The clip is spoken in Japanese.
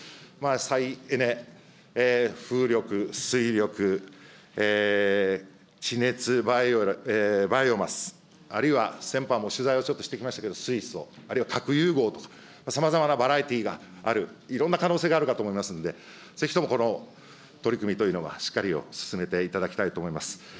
再エネ、風力、水力、地熱、バイオマス、あるいは先般も取材をちょっとしてきましたけど水素、あるいは核融合と、さまざまなバラエティーがある、いろんな可能性があるかと思いますので、ぜひともこの取り組みというのは、しっかり進めていただきたいと思います。